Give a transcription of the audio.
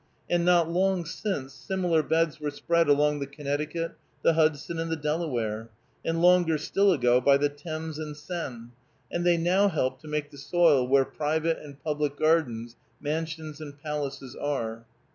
And not long since, similar beds were spread along the Connecticut, the Hudson, and the Delaware, and longer still ago, by the Thames and Seine, and they now help to make the soil where private and public gardens, mansions and palaces are.